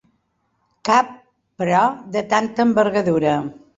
Cap, però, de tanta envergadura.